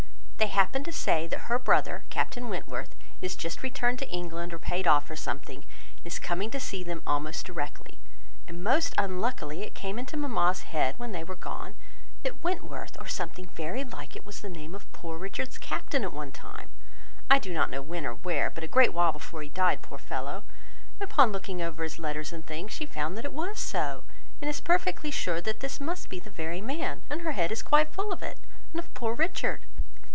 they happened to say, that her brother, Captain Wentworth, is just returned to England, or paid off, or something, and is coming to see them almost directly; and most unluckily it came into mamma's head, when they were gone, that Wentworth, or something very like it, was the name of poor Richard's captain at one time; I do not know when or where, but a great while before he died, poor fellow! And upon looking over his letters and things, she found it was so, and is perfectly sure that this must be the very man, and her head is quite full of it, and of poor Richard!